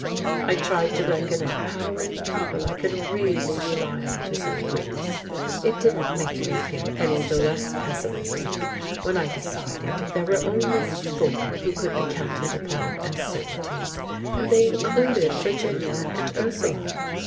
I tried to reckon up how many people I could really rely on to send wreaths; it didn't make me feel any the less pessimistic when I decided there were only four who could be counted upon as certainties, and they included Virginia and Ursula!